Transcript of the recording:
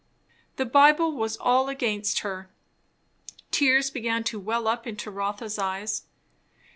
The Bible was all against her. Tears began to well up into Rotha's eyes.